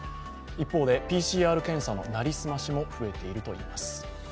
一方でＰＣＲ検査の成り済ましも増えているといいます。